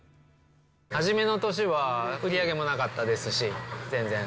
初めの年は売り上げもなかったですし、全然。